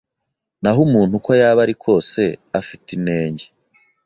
naho umuntu uko yaba ari kose afite inenge